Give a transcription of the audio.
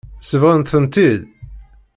Sebɣen-tent-id.